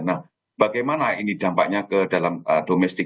nah bagaimana ini dampaknya ke dalam domestik